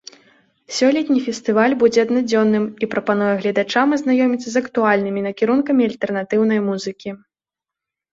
Сёлетні фестываль будзе аднадзённым і прапануе гледачам азнаёміцца з актуальнымі накірункамі альтэрнатыўнай музыкі.